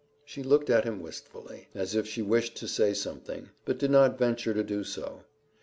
She looked at him wistfully, as if she wished to say something, but did not venture to do so.